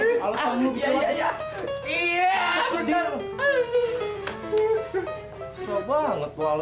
susah banget tuh alesan bersihin kaca lho